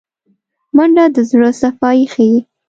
منډه د زړه صفايي ښيي